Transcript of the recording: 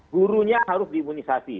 gurunya harus diimunisasi